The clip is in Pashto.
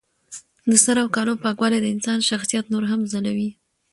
د سر او کالو پاکوالی د انسان شخصیت نور هم ځلوي.